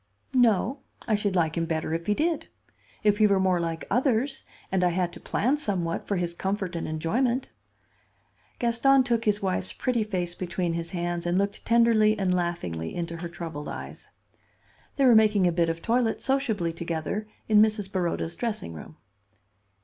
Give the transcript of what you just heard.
"No. I should like him better if he did; if he were more like others, and I had to plan somewhat for his comfort and enjoyment." Gaston took his wife's pretty face between his hands and looked tenderly and laughingly into her troubled eyes. They were making a bit of toilet sociably together in Mrs. Baroda's dressing room.